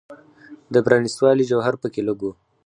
د پرانیستوالي جوهر په کې لږ و.